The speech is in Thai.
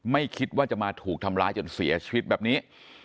ไม่คิดว่าจะมาถูกทำร้ายจนเสียชีวิตแบบนี้